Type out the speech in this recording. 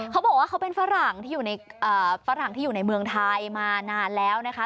เขาบอกว่าเขาเป็นฝรั่งที่อยู่ในฝรั่งที่อยู่ในเมืองไทยมานานแล้วนะคะ